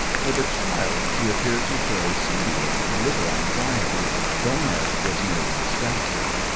For the child she appeared to show singularly little anxiety, though Ned was nearly distracted.